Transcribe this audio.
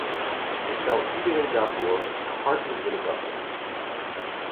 Ik zou iedereen daarvoor hartelijk willen danken.